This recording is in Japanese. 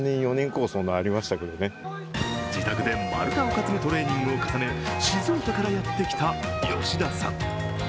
自宅で丸太を担ぐトレーニングを重ね、静岡からやってきた吉田さん。